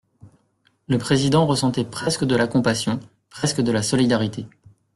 Le président ressentait presque de la compassion, presque de la solidarité.